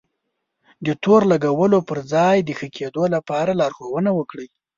د تور لګولو پر ځای د ښه کېدو لپاره لارښونه وکړئ.